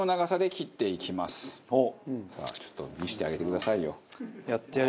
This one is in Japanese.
さあちょっと見せてあげてくださいよ。